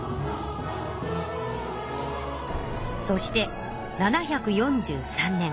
そして７４３年。